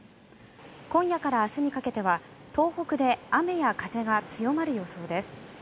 今夜から明日にかけては東北で雨や風が強まる予想です。